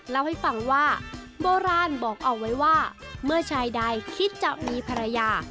เล่าให้ฟังว่าโบราณบอกเอาไว้ว่าเมื่อชายใดคิดจะมีภรรยา